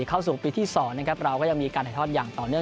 เข้าสู่ปีที่๒นะครับเราก็ยังมีการถ่ายทอดอย่างต่อเนื่อง